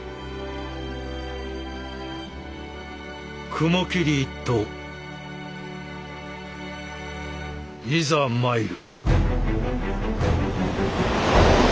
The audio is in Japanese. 雲霧一党いざ参る。